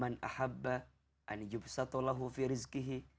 man ahabba an'i yubusatullahu fi rizqa'ahum